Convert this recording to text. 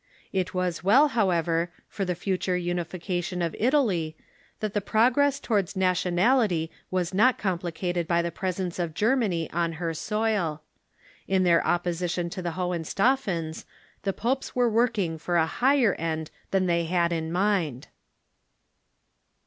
It was well, however, for the future unification of Italy that the progress towards nationality Avas not complicated by the presence of Germany on her soil. In their opposition to the Holienstaufens the popes were working for a higher end than they had in mind.